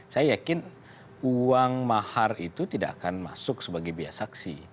saya yakin uang mahar itu tidak akan masuk sebagai biaya saksi